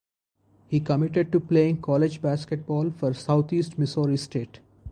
He committed to playing college basketball for Southeast Missouri State.